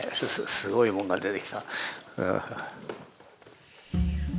すごいもんが出てきた。